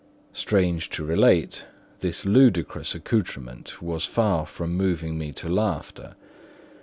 Strange to relate, this ludicrous accoutrement was far from moving me to laughter.